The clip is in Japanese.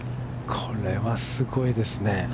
これはすごいですね。